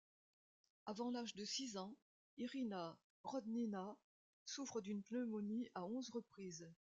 Avant l'âge de six ans, Irina Rodnina souffre d'une pneumonie à onze reprises.